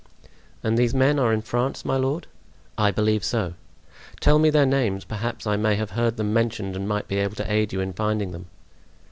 "And these men are in France, my lord?" "I believe so." "Tell me their names; perhaps I may have heard them mentioned and might be able to aid you in finding them."